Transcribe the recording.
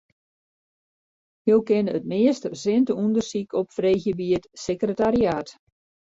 Jo kinne it meast resinte ûndersyk opfreegje by it sekretariaat.